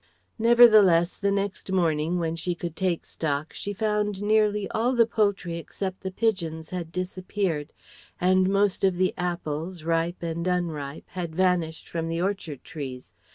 Nevertheless the next morning when she could take stock she found nearly all the poultry except the pigeons had disappeared; and most of the apples, ripe and unripe, had vanished from the orchard trees.